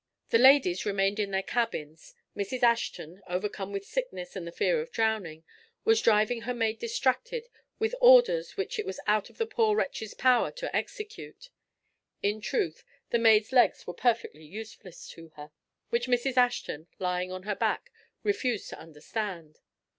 The ladies remained in their cabins. Mrs. Ashton, overcome with sickness and the fear of drowning, was driving her maid distracted with orders which it was out of the poor wretch's power to execute. In truth, the maid's legs were perfectly useless to her, which Mrs. Ashton, lying on her back, refused to understand.